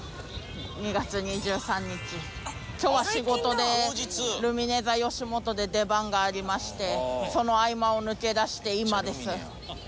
今日は仕事でルミネｔｈｅよしもとで出番がありましてその合間を抜け出して今です。